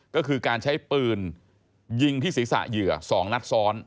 ก็คือการใช้ปืนยิงที่ศีรษะเหยื่อ๒นัดซ้อน